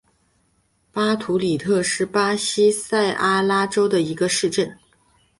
巴图里特是巴西塞阿拉州的一个市镇。